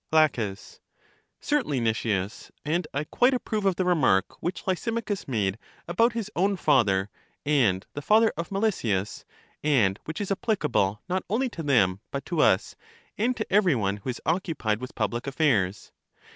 La, Certainly, Nicias; and I quite approve of the remark which Lysimachus made about his ow^n father, and the father of Melesias, and which is applicable, not only to them, but to us, and to every one who is occupied with public affairs.